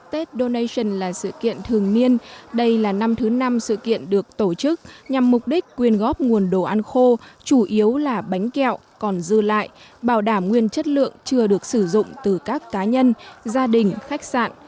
tết donation là sự kiện thường niên đây là năm thứ năm sự kiện được tổ chức nhằm mục đích quyên góp nguồn đồ ăn khô chủ yếu là bánh kẹo còn dư lại bảo đảm nguyên chất lượng chưa được sử dụng từ các cá nhân gia đình khách sạn